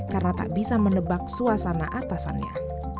karena tak bisa menebak suasana atasannya